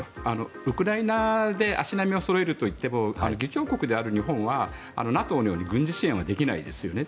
ウクライナで足並みをそろえるといっても議長国である日本はＮＡＴＯのように軍事支援はできないですよね。